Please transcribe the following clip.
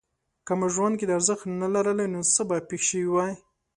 که ما ژوند کې دا ارزښت نه لرلای نو څه به پېښ شوي وای؟